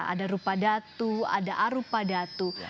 ada rupa datu ada arupa datu